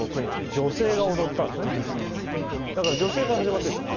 だから女性から始まってるんですよ